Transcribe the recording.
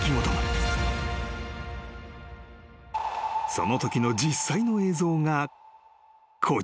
［そのときの実際の映像がこちら］